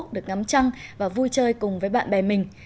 được ngắm trăng và vui chơi cùng với bạn bè mình